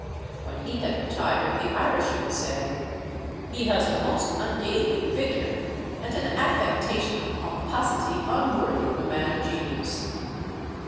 When he had retired, the Irishman said "He has a most ungainly figure, and an affectation of pomposity unworthy of a man of genius."